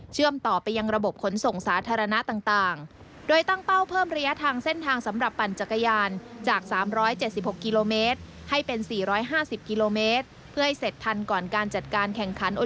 เชื่อมต่อไปยังระบบขนส่งสาธารณะต่าง